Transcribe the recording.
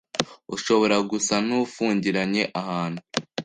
ushobora gusa n’ufungiranye ahantu